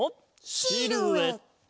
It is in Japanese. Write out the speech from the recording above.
シルエット！